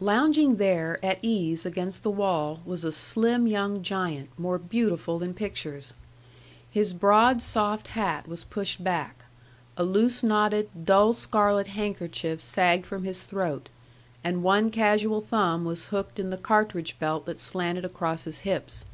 Lounging there at ease against the wall was a slim young giant, more beautiful than pictures. His broad, soft hat was pushed back; a loose knotted, dull scarlet handkerchief sagged from his throat; and one casual thumb was hooked in the cartridge belt that slanted across his hips.